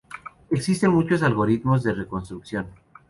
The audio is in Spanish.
Existen muchos algoritmos de reconstrucción.